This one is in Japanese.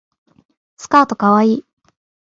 スカートかわいい